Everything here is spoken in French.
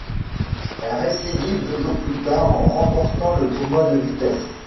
Elle récidive deux jours plus tard en remportant le tournoi de vitesse.